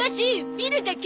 見るだけ！